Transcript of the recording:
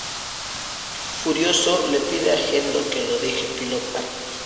Furioso, le pide a Gendo que lo deje pilotar.